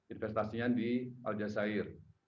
investasinya di aljazeera